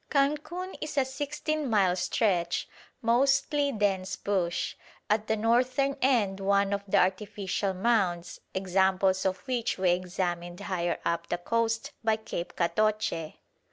Cancun is a sixteen mile stretch, mostly dense bush; at the northern end one of the artificial mounds, examples of which we examined higher up the coast by Cape Catoche.